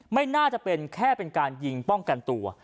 ไม่น่าจะเป็นแค่เป็นการยิงป้องกันตัว